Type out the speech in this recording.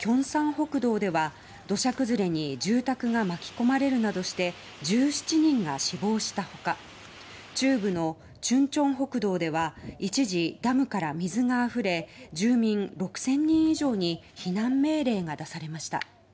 北道では土砂崩れに住宅が巻き込まれるなどして１７人が死亡した他中部のチュンチョン北道では一時、ダムから水があふれ住民６０００人以上に避難命令が出されました。